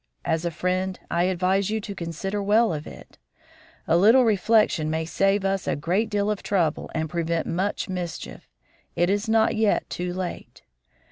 As a friend, I advise you to consider well of it; a little reflection may save us a great deal of trouble and prevent much mischief; it is not yet too late.